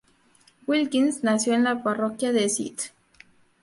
Wilkins nació en la parroquia de St.